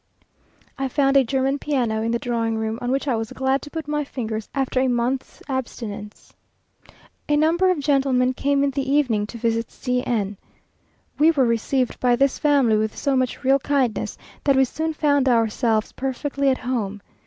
I found a German piano in the drawing room, on which I was glad to put my fingers after a month's abstinence. A number of gentlemen came in the evening to visit C n. We were received by this family with so much real kindness, that we soon found ourselves perfectly at home.